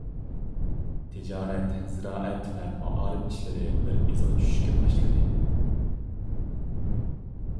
تىجارەت، زىرائەت ۋە مائارىپ ئىشلىرى بىر ئىزغا چۈشۈشكە باشلىدى.